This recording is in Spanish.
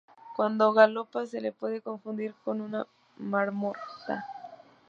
Cuando galopa se le puede confundir con una marmota.